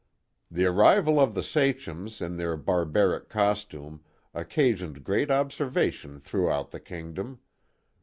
The arrival of the sachems, in their barbaric costume, oc casioned great observation throughout the kingdom.